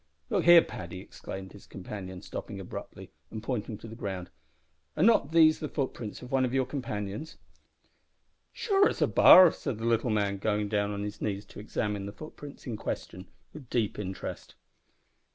"Look here, Paddy," exclaimed his companion, stopping abruptly, and pointing to the ground, "are not these the footprints of one of your friends?" "Sure it's a bar," said the little man, going down on his knees to examine the footprints in question with deep interest.